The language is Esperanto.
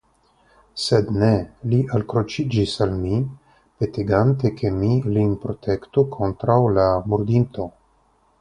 Sed ne, li alkroĉiĝis al mi, petegante ke mi lin protektu kontraŭ la murdinto.